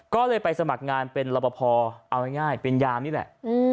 ก็เลยไปสมัครงานเป็นรอปภเอาง่ายเป็นยามนี่แหละ